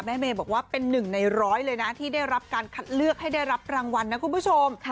เมย์บอกว่าเป็นหนึ่งในร้อยเลยนะที่ได้รับการคัดเลือกให้ได้รับรางวัลนะคุณผู้ชม